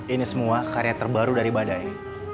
ini semua karya terbaru dari badai